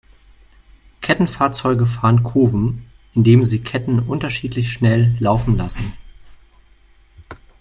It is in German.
Kettenfahrzeuge fahren Kurven, indem sie die Ketten unterschiedlich schnell laufen lassen.